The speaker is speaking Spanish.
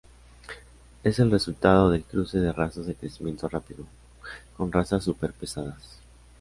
Es el resultado del cruce de razas de crecimiento rápido, con razas super pesadas.